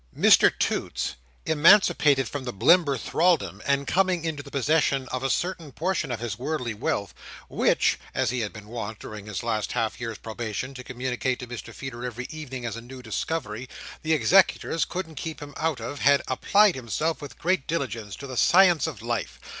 Mr Toots, emancipated from the Blimber thraldom and coming into the possession of a certain portion of his worldly wealth, "which," as he had been wont, during his last half year's probation, to communicate to Mr Feeder every evening as a new discovery, "the executors couldn't keep him out of" had applied himself with great diligence, to the science of Life.